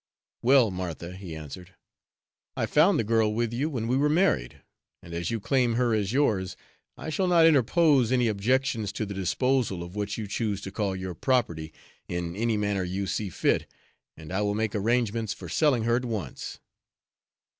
"Well, Martha," he answered, "I found the girl with you when we were married, and as you claim her as yours, I shall not interpose any objections to the disposal of what you choose to call your property, in any manner you see fit, and I will make arrangements for selling her at once."